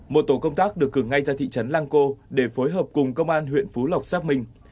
một tổ công tác được cử ngay ra thị trấn lang co để phối hợp cùng công an huyện phú lọc xác minh